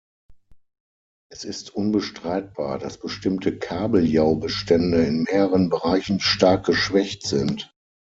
Es ist unbestreitbar, dass bestimmte Kabeljaubestände in mehreren Bereichen stark geschwächt sind.